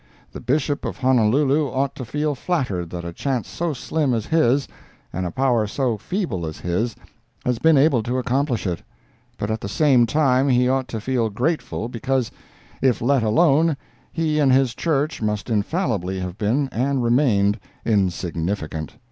The Bishop of Honolulu ought to feel flattered that a chance so slim as his, and a power so feeble as his, has been able to accomplish it. But at the same time he ought to feel grateful, because, if let alone, he and his Church must infallibly have been and remained insignificant.